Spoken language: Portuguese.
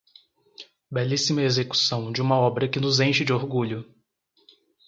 Belíssima execução de uma obra que nos enche de orgulho